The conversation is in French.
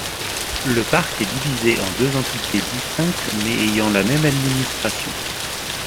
Le parc est divisé en deux entités distinctes, mais ayant la même administration.